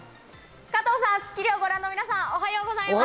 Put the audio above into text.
加藤さん、『スッキリ』をご覧の皆さん、おはようございます。